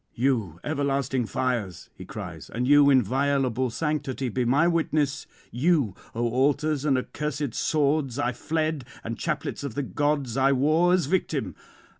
"You, everlasting fires," he cries, "and your inviolable sanctity be my witness; you, O altars and accursed swords I fled, and chaplets of the gods I wore as victim!